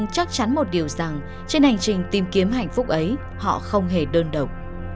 chắc chắn một điều rằng trên hành trình tìm kiếm hạnh phúc ấy họ không hề đơn độc